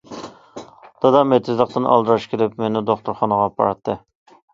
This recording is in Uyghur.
دادام ئېتىزلىقتىن ئالدىراش كېلىپ مېنى دوختۇرخانىغا ئاپىراتتى.